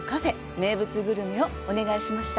名物グルメをお願いしました。